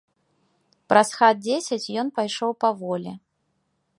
Праз хат дзесяць ён пайшоў паволі.